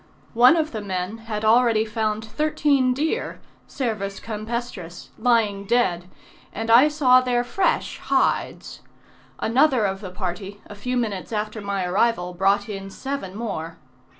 One of the men had already found thirteen deer (Cervus campestris) lying dead, and I saw their fresh hides; another of the party, a few minutes after my arrival brought in seven more.